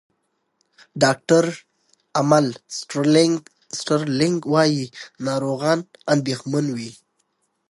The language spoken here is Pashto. ډاکټر امل سټرلینګ وايي، ناروغان اندېښمن وي.